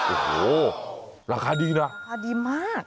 โอ้โหราคาดีนะราคาดีมาก